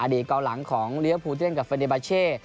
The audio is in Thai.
อดีตกล่องหลังของเลี้ยวผู้ที่เล่นกับเฟรนดีบาเช่